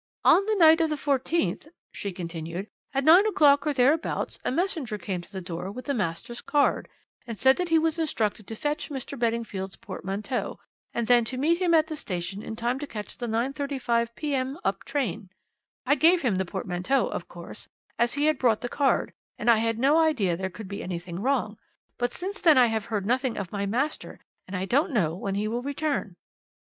"'On the night of the 14th,' she continued, 'at nine o'clock or thereabouts, a messenger came to the door with the master's card, and said that he was instructed to fetch Mr. Beddingfield's portmanteau, and then to meet him at the station in time to catch the 9.35 p.m. up train. I gave him the portmanteau, of course, as he had brought the card, and I had no idea there could be anything wrong; but since then I have heard nothing of my master, and I don't know when he will return.'